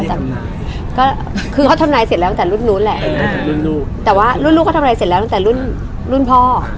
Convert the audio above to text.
แต่ก็คือเขาทำนายเสร็จแล้วตั้งแต่รุ่นนู้นแหละรุ่นลูกแต่ว่ารุ่นลูกเขาทำอะไรเสร็จแล้วตั้งแต่รุ่นรุ่นพ่อ